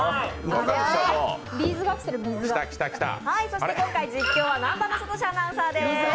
そして今回実況は南波雅俊アナウンサーです。